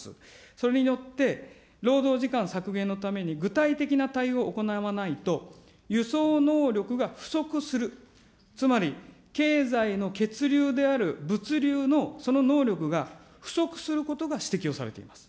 それによって、労働時間削減のために具体的な対応を行わないと、輸送能力が不足する、つまり経済の血流である物流のその能力が不足することが指摘をされております。